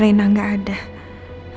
rahasia masa lalu gue akan lebih aman